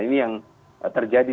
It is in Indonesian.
ini yang terjadi